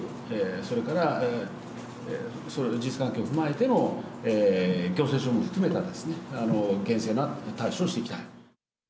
それから事実関係を踏まえての行政処分を含めた厳正な対処をしていきたい。